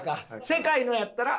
世界のやったら？